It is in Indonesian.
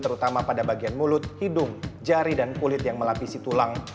terutama pada bagian mulut hidung jari dan kulit yang melapisi tulang